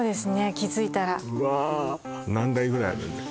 気付いたらうわ何台ぐらいあるんです？